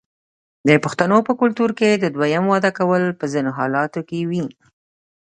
د پښتنو په کلتور کې د دویم واده کول په ځینو حالاتو کې وي.